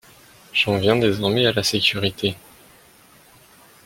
J’en viens désormais à la sécurité.